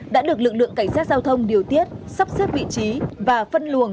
đã được lực lượng cảnh sát giao thông điều tiết sắp xếp vị trí và phân luồng